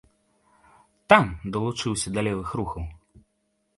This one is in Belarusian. Там далучыўся да левых рухаў.